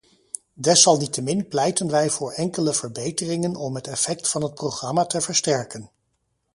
Desalniettemin pleiten wij voor enkele verbeteringen om het effect van het programma te versterken.